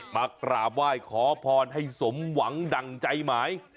มากราบไหว้ขอพรให้สมหวังดั่งใจหมาย